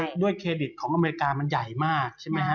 ด้วยเครดิตของอเมริกามันใหญ่มากใช่ไหมฮะ